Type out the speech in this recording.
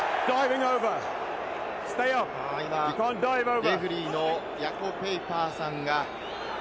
今、レフェリーのヤコ・ペイパーさんが。